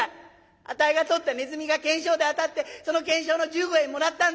あたいが捕ったネズミが懸賞で当たってその懸賞の１５円もらったんだ。